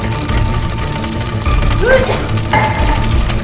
ya pak makasih ya pak